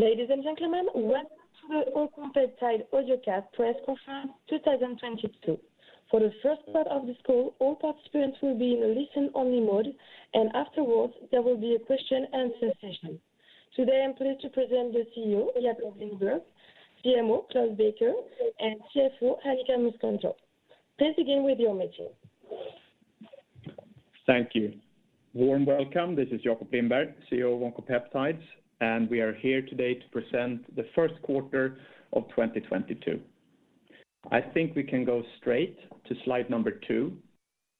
Ladies and gentlemen, welcome to the Oncopeptides Audiocast Press Conference 2022. For the first part of this call, all participants will be in a listen-only mode, and afterwards, there will be a question and answer session. Today, I'm pleased to present the CEO, Jakob Lindberg, CMO Klaas Bakker, and CFO, Annika Muskantor. Please begin with your material. Thank you. Warm welcome. This is Jakob Lindberg, CEO of Oncopeptides, and we are here today to present the first quarter of 2022. I think we can go straight to slide number two,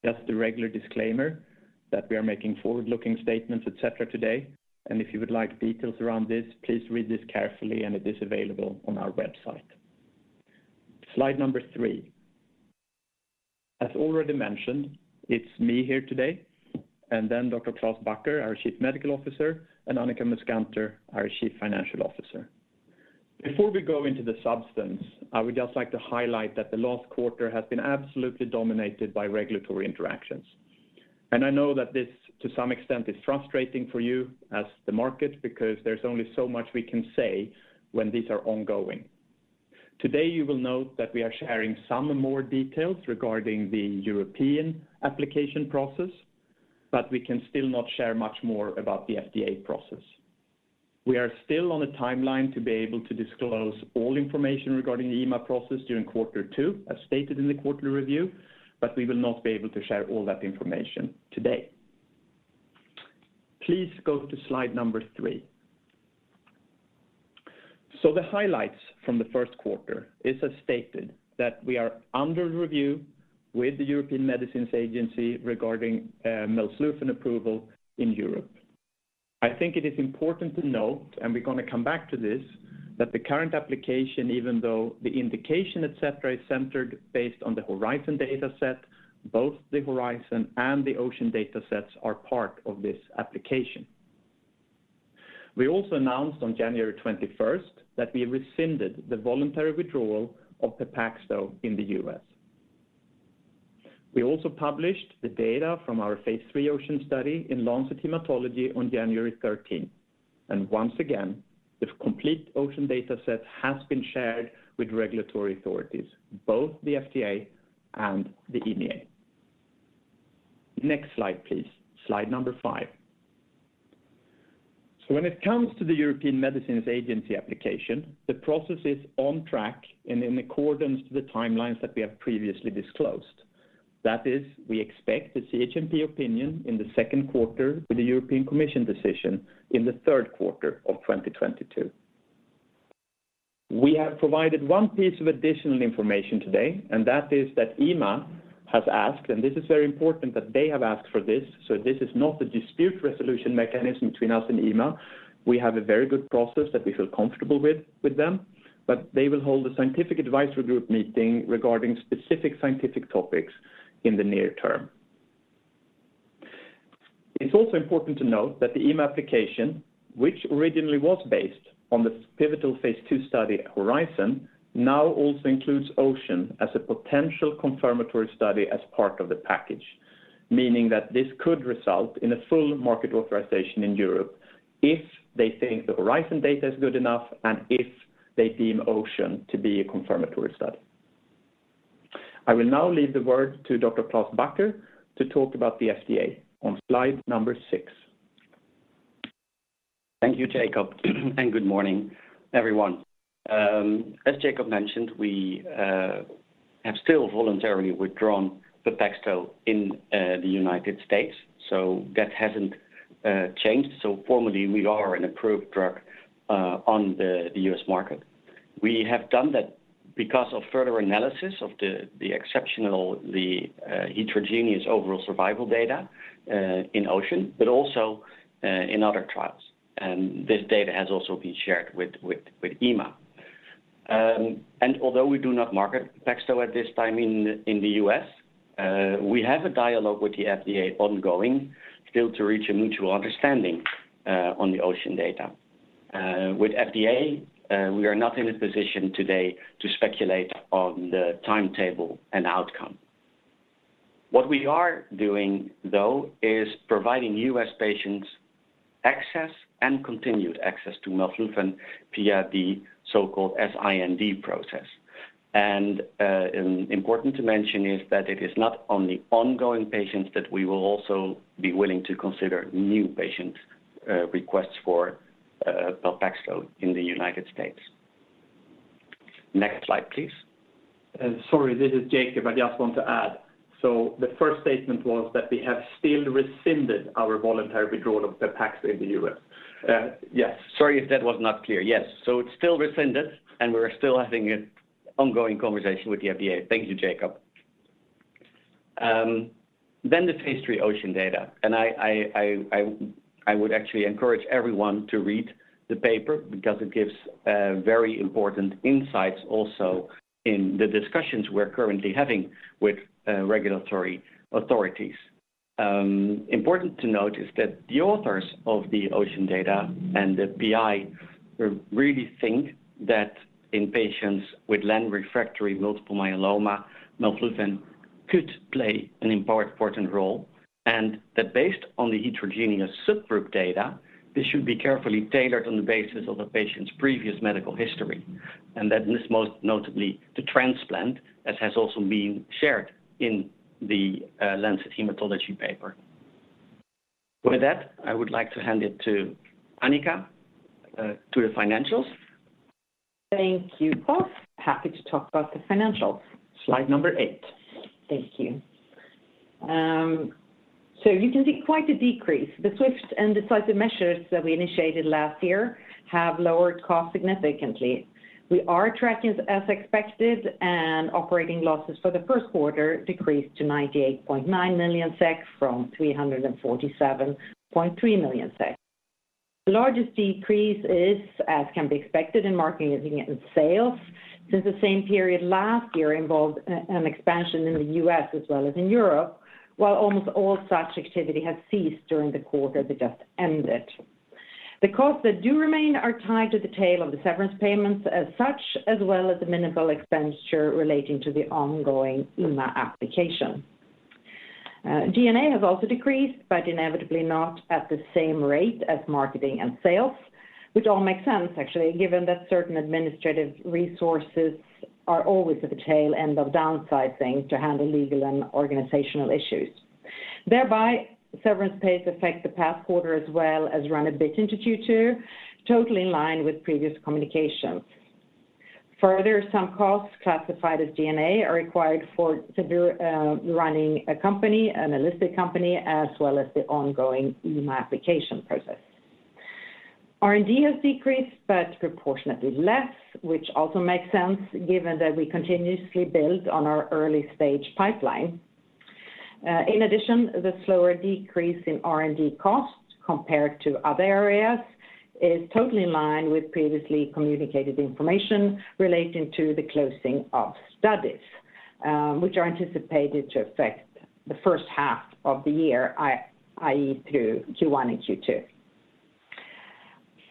that's the regular disclaimer that we are making forward-looking statements, et cetera, today. If you would like details around this, please read this carefully, and it is available on our website. Slide number three. As already mentioned, it's me here today, and then Dr. Klaas Bakker, our Chief Medical Officer, and Annika Muskantor, our Chief Financial Officer. Before we go into the substance, I would just like to highlight that the last quarter has been absolutely dominated by regulatory interactions. I know that this, to some extent, is frustrating for you as the market, because there's only so much we can say when these are ongoing. Today, you will note that we are sharing some more details regarding the European application process, but we can still not share much more about the FDA process. We are still on a timeline to be able to disclose all information regarding the EMA process during quarter two, as stated in the quarterly review, but we will not be able to share all that information today. Please go to slide number three. The highlights from the first quarter is as stated that we are under review with the European Medicines Agency regarding Melflufen approval in Europe. I think it is important to note, and we're gonna come back to this, that the current application, even though the indication, et cetera, is centered based on the Horizon dataset, both the Horizon and the Ocean datasets are part of this application. We also announced on January 21st that we rescinded the voluntary withdrawal of Pepaxto in the U.S. We also published the data from our Phase III OCEAN study in The Lancet Haematology on January 13th. Once again, the complete OCEAN dataset has been shared with regulatory authorities, both the FDA and the EMA. Next slide, please. Slide number five. When it comes to the European Medicines Agency application, the process is on track and in accordance to the timelines that we have previously disclosed. That is, we expect the CHMP opinion in the second quarter with the European Commission decision in the third quarter of 2022. We have provided one piece of additional information today, and that is that EMA has asked, and this is very important that they have asked for this, so this is not a dispute resolution mechanism between us and EMA. We have a very good process that we feel comfortable with them, but they will hold a scientific advisory group meeting regarding specific scientific topics in the near term. It's also important to note that the EMA application, which originally was based on the pivotal Phase II Study HORIZON, now also includes OCEAN as a potential confirmatory study as part of the package. Meaning that this could result in a full market authorization in Europe if they think the HORIZON data is good enough and if they deem OCEAN to be a confirmatory study. I will now leave the word to Dr. Klaas Bakker to talk about the FDA on slide number six. Thank you, Jakob. Good morning, everyone. As Jakob mentioned, we have still voluntarily withdrawn Pepaxto in the United States, so that hasn't changed. Formally, we are an approved drug on the US market. We have done that because of further analysis of the exceptional heterogeneous overall survival data in OCEAN, but also in other trials. This data has also been shared with EMA. Although we do not market Pepaxto at this time in the US, we have a dialogue with the FDA ongoing still to reach a mutual understanding on the OCEAN data. With FDA, we are not in a position today to speculate on the timetable and outcome. What we are doing, though, is providing U.S. patients access and continued access to Melflufen via the so-called IND process. Important to mention is that it is not only ongoing patients that we will also be willing to consider new patient requests for Pepaxto in the United States. Next slide, please. Sorry, this is Jakob. I just want to add. The first statement was that we have still rescinded our voluntary withdrawal of Pepaxto in the U.S. Yes. Sorry if that was not clear. Yes. It's still rescinded, and we're still having an ongoing conversation with the FDA. Thank you, Jakob. The Phase III OCEAN data, and I would actually encourage everyone to read the paper because it gives very important insights also in the discussions we're currently having with regulatory authorities. Important to note is that the authors of the OCEAN data and the PI really think that in patients with len-refractory multiple myeloma, Melflufen Could play an important role. That based on the heterogeneous subgroup data, this should be carefully tailored on the basis of the patient's previous medical history, and that is most notably to transplant, as has also been shared in the The Lancet Haematology paper. With that, I would like to hand it to Annika to the financials. Thank you, Klaas. Happy to talk about the financials. Slide number eight. Thank you. You can see quite a decrease. The swift and decisive measures that we initiated last year have lowered costs significantly. We are tracking as expected, and operating losses for the first quarter decreased to 98.9 million SEK from 347.3 million SEK. The largest decrease is, as can be expected in marketing and sales, since the same period last year involved an expansion in the U.S. as well as in Europe, while almost all such activity has ceased during the quarter that just ended. The costs that do remain are tied to the tail of the severance payments as such, as well as the minimal expenditure relating to the ongoing EMA application. G&A has also decreased, but inevitably not at the same rate as marketing and sales, which all makes sense actually, given that certain administrative resources are always at the tail end of downsizing to handle legal and organizational issues. Thereby, severance pays affect the past quarter as well as run a bit into Q2, totally in line with previous communications. Further, some costs classified as G&A are required for to do, running a company, an unlisted company, as well as the ongoing EMA application process. R&D has decreased, but proportionately less, which also makes sense given that we continuously build on our early-stage pipeline. In addition, the slower decrease in R&D costs compared to other areas is totally in line with previously communicated information relating to the closing of studies, which are anticipated to affect the first half of the year, through Q1 and Q2.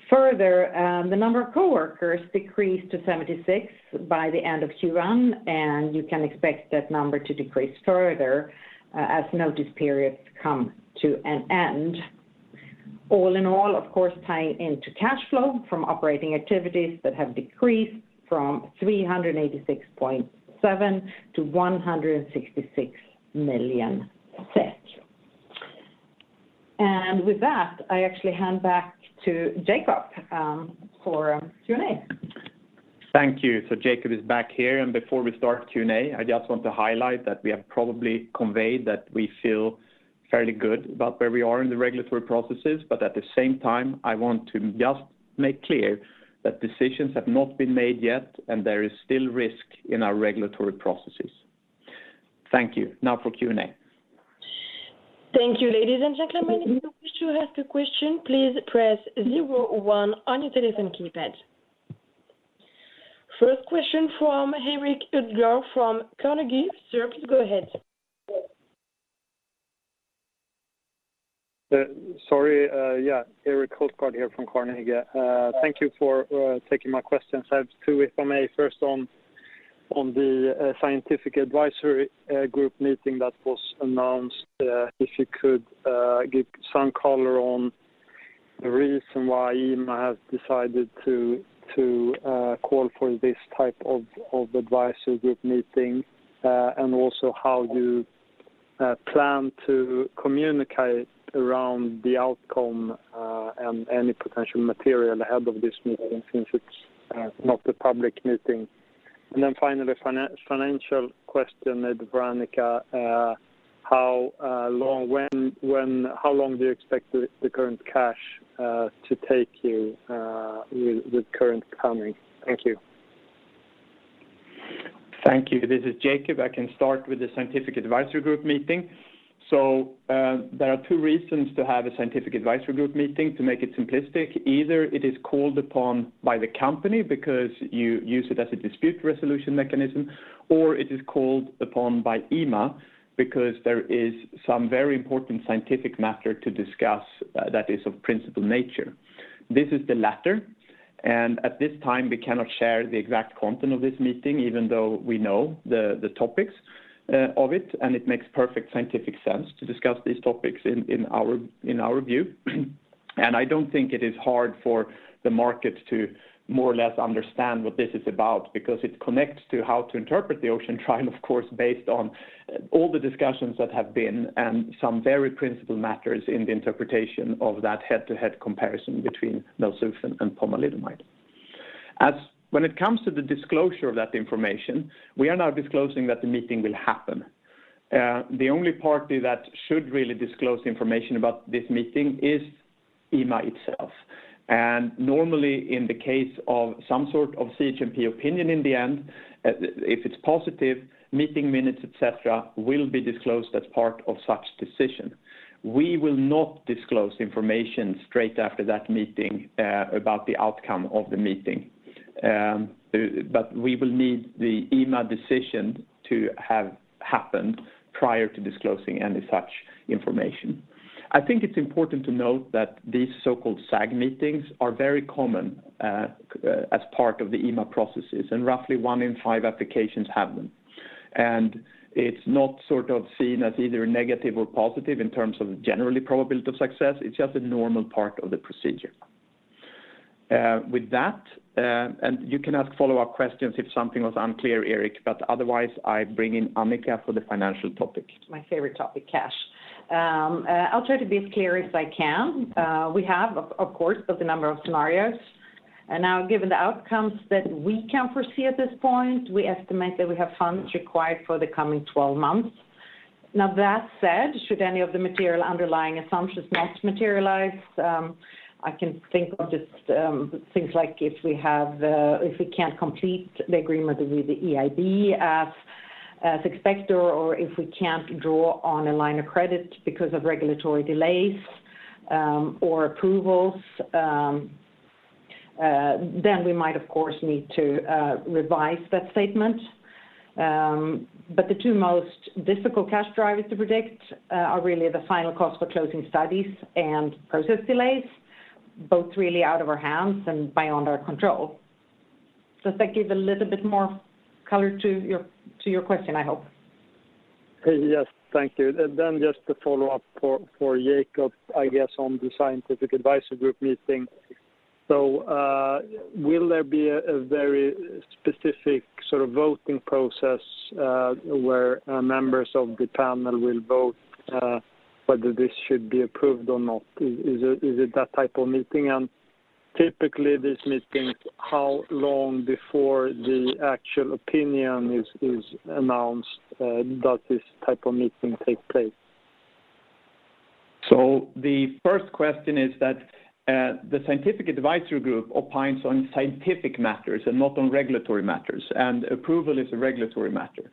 Further, the number of coworkers decreased to 76 by the end of Q1, and you can expect that number to decrease further, as notice periods come to an end. All in all, of course, tie into cash flow from operating activities that have decreased from 386.7 million to 166 million. With that, I actually hand back to Jakob for Q&A. Thank you. Jakob is back here. Before we start Q&A, I just want to highlight that we have probably conveyed that we feel fairly good about where we are in the regulatory processes. At the same time, I want to just make clear that decisions have not been made yet and there is still risk in our regulatory processes. Thank you. Now for Q&A. Thank you, ladies and gentlemen. If you wish to ask a question, please press zero one on your telephone keypad. First question from Erik Hultgård from Carnegie. Sir, please go ahead. Sorry, yeah, Erik Hultgård here from Carnegie. Thank you for taking my questions. I have two, if I may. First, on the scientific advisory group meeting that was announced, if you could give some color on the reason why EMA has decided to call for this type of advisory group meeting, and also how you plan to communicate around the outcome, and any potential material ahead of this meeting since it's not a public meeting. Then finally, financial question maybe for Annika Muskantor. How long do you expect the current cash to take you with current burn? Thank you. Thank you. This is Jakob. I can start with the scientific advisory group meeting. There are two reasons to have a scientific advisory group meeting to make it simplistic. Either it is called upon by the company because you use it as a dispute resolution mechanism, or it is called upon by EMA because there is some very important scientific matter to discuss that is of principle nature. This is the latter, and at this time, we cannot share the exact content of this meeting even though we know the topics of it, and it makes perfect scientific sense to discuss these topics in our view. I don't think it is hard for the market to more or less understand what this is about because it connects to how to interpret the OCEAN trial, of course, based on all the discussions that have been and some very principal matters in the interpretation of that head-to-head comparison between melflufen and pomalidomide. When it comes to the disclosure of that information, we are now disclosing that the meeting will happen. The only party that should really disclose information about this meeting is EMA itself. Normally, in the case of some sort of CHMP opinion in the end, if it's positive, meeting minutes, et cetera, will be disclosed as part of such decision. We will not disclose information straight after that meeting about the outcome of the meeting. We will need the EMA decision to have happened prior to disclosing any such information. I think it's important to note that these so-called SAG meetings are very common, as part of the EMA processes, and roughly one in five applications have them. It's not sort of seen as either negative or positive in terms of general probability of success. It's just a normal part of the procedure. With that, and you can ask follow-up questions if something was unclear, Erik. Otherwise, I bring in Annika for the financial topic. My favorite topic, cash. I'll try to be as clear as I can. We have a number of scenarios, and now given the outcomes that we can foresee at this point, we estimate that we have funds required for the coming 12 months. Now that said, should any of the material underlying assumptions not materialize, I can think of just things like if we can't complete the agreement with the EIB as expected or if we can't draw on a line of credit because of regulatory delays or approvals, then we might of course need to revise that statement. The two most difficult cash drivers to predict are really the final cost for closing studies and process delays, both really out of our hands and beyond our control. Does that give a little bit more color to your question, I hope? Yes, thank you. Just a follow-up for Jakob, I guess, on the scientific advisory group meeting. Will there be a very specific sort of voting process where members of the panel will vote whether this should be approved or not? Is it that type of meeting? Typically these meetings, how long before the actual opinion is announced does this type of meeting take place? The first question is that the scientific advisory group opines on scientific matters and not on regulatory matters, and approval is a regulatory matter.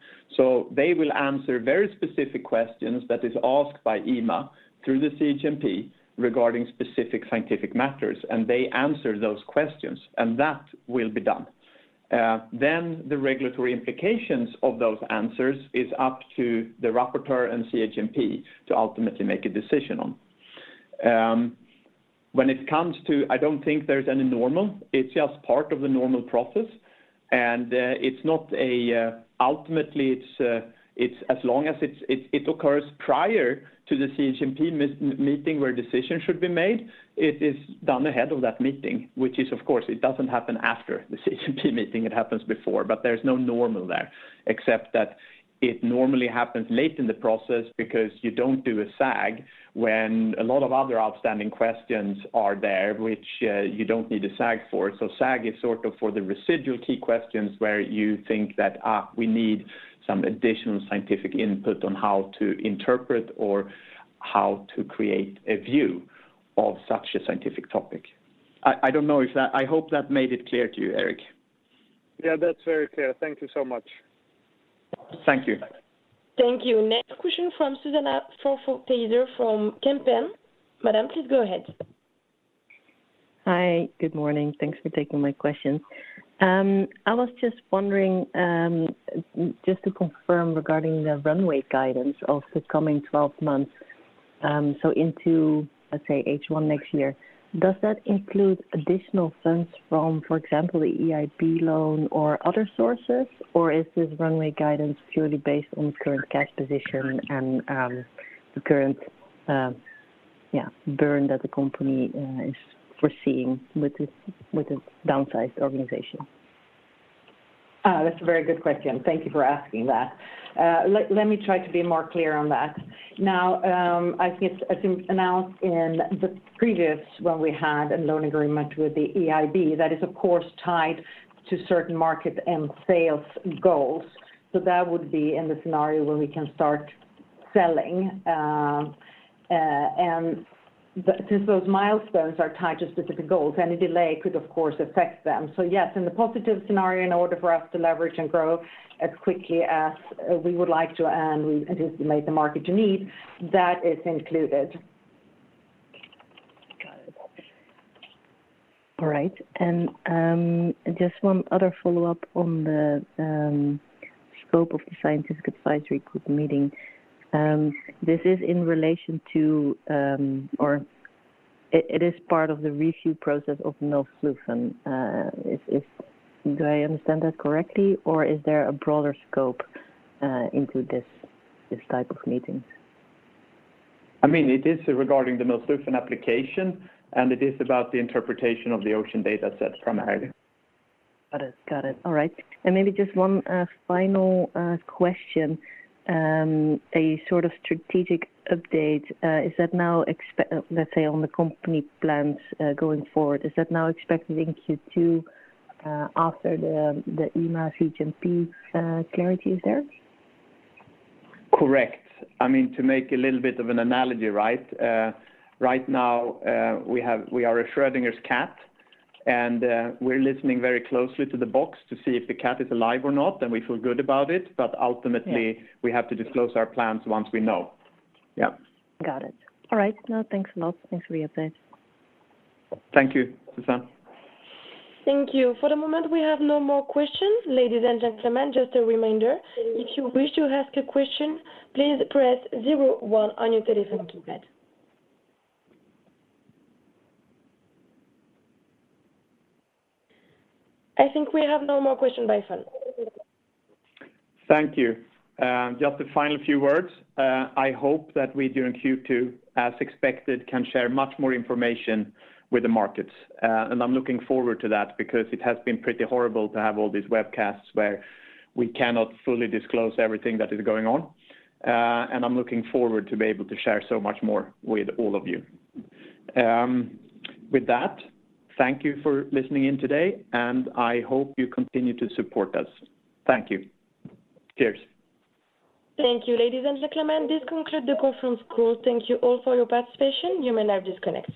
They will answer very specific questions that is asked by EMA through the CHMP regarding specific scientific matters, and they answer those questions, and that will be done. Then the regulatory implications of those answers is up to the rapporteur and CHMP to ultimately make a decision on. When it comes to I don't think there's any normal, it's just part of the normal process. Ultimately, it's as long as it occurs prior to the CHMP meeting where decisions should be made, it is done ahead of that meeting, which of course doesn't happen after the CHMP meeting, it happens before. There's no normal there, except that it normally happens late in the process because you don't do a SAG when a lot of other outstanding questions are there, which you don't need a SAG for. SAG is sort of for the residual key questions where you think that, "we need some additional scientific input on how to interpret or how to create a view of such a scientific topic." I don't know if that. I hope that made it clear to you, Erik. Yeah, that's very clear. Thank you so much. Thank you. Thank you. Next question from Susan Got it. Got it. All right. Maybe just one final question. A sort of strategic update, let's say on the company plans going forward, is that now expected in Q2 after the EMA CHMP clarity is there? Correct. I mean, to make a little bit of an analogy, right? Right now, we are a Schrödinger's cat, and we're listening very closely to the box to see if the cat is alive or not, and we feel good about it, but ultimately. Yeah. We have to disclose our plans once we know. Yep. Got it. All right. No, thanks a lot. Thanks for the update. Thank you, Susanna. Thank you. For the moment, we have no more questions, ladies and gentlemen. Just a reminder, if you wish to ask a question, please press zero one on your telephone keypad. I think we have no more question by phone. Thank you. Just a final few words. I hope that we during Q2, as expected, can share much more information with the markets. I'm looking forward to that because it has been pretty horrible to have all these webcasts where we cannot fully disclose everything that is going on. I'm looking forward to be able to share so much more with all of you. With that, thank you for listening in today, and I hope you continue to support us. Thank you. Cheers. Thank you, ladies and gentlemen. This concludes the conference call. Thank you all for your participation. You may now disconnect.